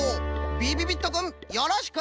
びびびっとくんよろしく。